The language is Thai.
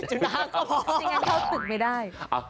จริงเข้าตึกไม่ได้